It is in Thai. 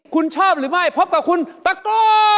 คุณชอบหรือไม่พบกับคุณตะโก้